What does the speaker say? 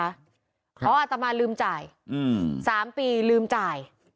อ๋ออาตมารลืมจ่ายอืมสามปีลืมจ่าย